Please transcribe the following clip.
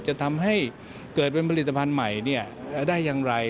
จะทำให้เกิดเป็นผลิตภัณฑ์ใหม่ได้อย่างไร